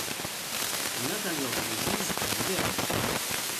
L'intérieur de l'église est moderne.